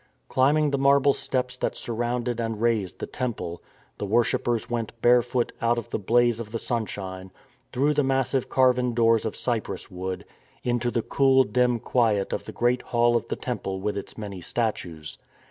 Climbing the marble steps that surrounded and raised the temple, the worshippers went barefoot out of the blaze of the sunshine, through the massive carven doors of cypress wood, into the cool dim quiet of the great hall of the temple with its many statues.